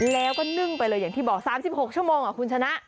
แล้วก็นึ่งไปเลยอย่างที่บอก๓๖ชั่วโมงคุณชนะ